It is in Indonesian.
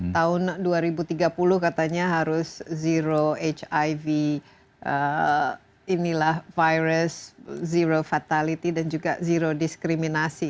tahun dua ribu tiga puluh katanya harus zero hiv inilah virus zero fatality dan juga zero diskriminasi